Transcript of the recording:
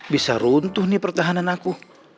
bisa runtuh nih pertahanan aku